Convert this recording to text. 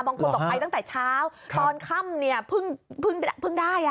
บางคนต่อไปตั้งแต่เช้าตอนค่ำเพิ่งได้